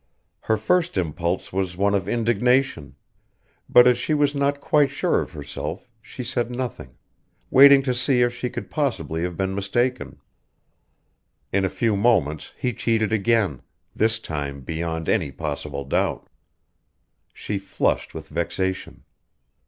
Her first impulse was one of indignation; but as she was not quite sure of herself she said nothing, waiting to see if she could possibly have been mistaken. In a few moments he cheated again, this time beyond any possible doubt. She flushed with vexation.